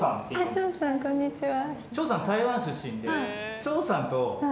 張さんこんにちは。